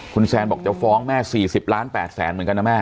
คุณแซนบอกจะฟ้องแม่๔๐ล้าน๘แสนเหมือนกันนะแม่